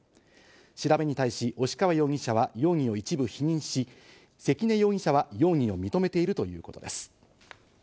調べに対し、押川容疑者は容疑を一部否認し、関根容疑者は容疑を認めているということです。